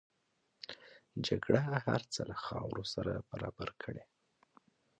جګړه هر څه له خاورو سره برابر کړي